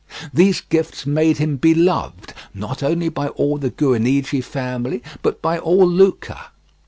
These gifts made him beloved, not only by all the Guinigi family, but by all Lucca.